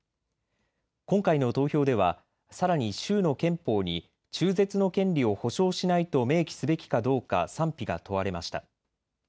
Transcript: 今回の投票ではさらに州の憲法に中絶の権利を保障しないと明記すべきかどうか賛否が問われました。